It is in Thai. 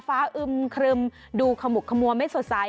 อึมครึมดูขมุกขมัวไม่สดใส